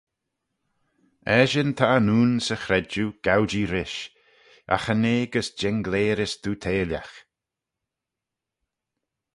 Eshyn ta annoon 'sy chredjue gow-jee rish, agh cha nee gys jengleyrys dooyteilagh.